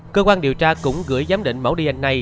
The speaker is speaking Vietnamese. cơ quan điều tra cũng gửi giám định mẫu dna